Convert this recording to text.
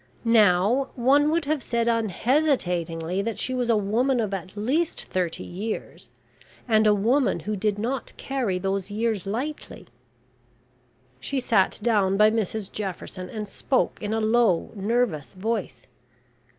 Now one would have said unhesitatingly that she was a woman of at least thirty years, and a woman who did not carry those years lightly. She sat down by Mrs Jefferson, and spoke in a low nervous voice.